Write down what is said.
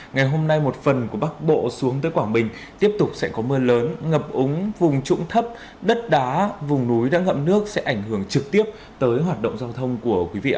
ngày hôm nay một phần của bắc bộ xuống tới quảng bình tiếp tục sẽ có mưa lớn ngập úng vùng trũng thấp đất đá vùng núi đã ngậm nước sẽ ảnh hưởng trực tiếp tới hoạt động giao thông của quý vị ạ